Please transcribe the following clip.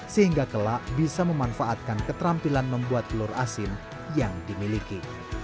sehingga kelak bisa memanfaatkan keterampilan membuat telur asin yang dimiliki